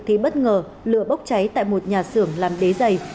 thì bất ngờ lửa bốc cháy tại một nhà xưởng làm đế dày